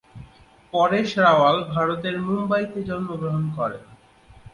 পরেশ রাওয়াল ভারতের মুম্বাইতে জন্মগ্রহণ করেন।